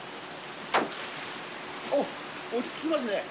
おっ、落ち着きますね。